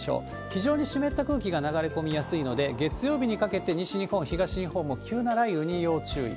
非常に湿った空気が流れ込みやすいので、月曜日にかけて西日本、東日本も急な雷雨に要注意。